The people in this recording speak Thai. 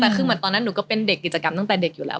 แต่คือเหมือนตอนนั้นหนูก็เป็นเด็กกิจกรรมตั้งแต่เด็กอยู่แล้ว